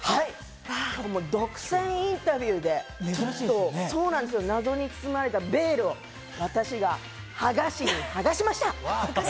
独占インタビューで謎に包まれたベールを私が剥がしました。